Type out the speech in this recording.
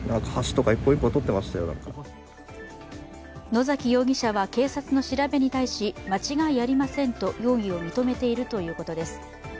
野崎容疑者は警察の調べに対し間違いありませんと容疑を認めているということです。